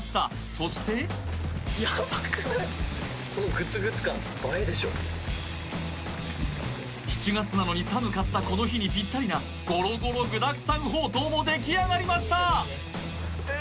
そして７月なのに寒かったこの日にピッタリなゴロゴロ具だくさんほうとうも出来上がりました